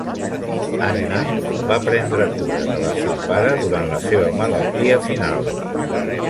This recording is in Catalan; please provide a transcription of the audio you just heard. Anna va prendre cura del seu pare durant la seva malaltia final.